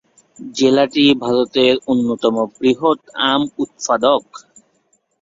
জেলাটি ভারতের অন্যতম বৃহত আম উৎপাদক।